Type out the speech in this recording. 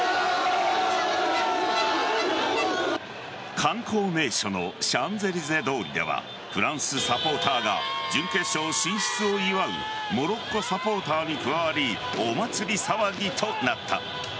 観光名所のシャンゼリゼ通りではフランスサポーターが準決勝進出を祝うモロッコサポーターに加わりお祭り騒ぎとなった。